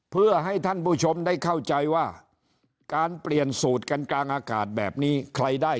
เพื่อให้ท่านผู้ชมได้เข้าใจว่าการเปลี่ยนสูตรกันกลางอากาศแบบนี้ใครได้